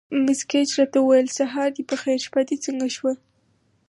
مس ګېج راته وویل: سهار دې په خیر، شپه دې څنګه شوه؟